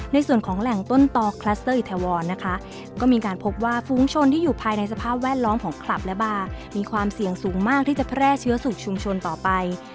ในส่วนของแหล่งต้นตอคลัสเตอร์อิทวรนะคะก็มีการพบว่าฟุ้งชนที่อยู่ภายในสภาพแวดล้อมของคลับและบาร์มีความเสี่ยงสูงมากที่จะแพร่เชื้อสู่ชุมชนต่อไป